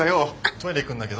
トイレ行くんだけど。